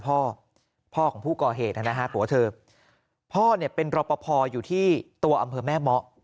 พ่อพ่อของผู้ก่อเหตุนะฮะผัวเธอพ่อเนี่ยเป็นรอปภอยู่ที่ตัวอำเภอแม่เมาะ